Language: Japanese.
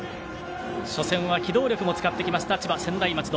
初戦は機動力も使ってきました千葉・専大松戸。